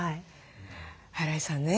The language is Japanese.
荒井さんね